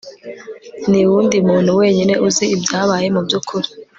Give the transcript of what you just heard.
niwundi muntu wenyine uzi ibyabaye mubyukuri